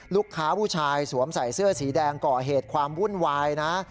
ผู้ชายสวมใส่เสื้อสีแดงก่อเหตุความวุ่นวายนะ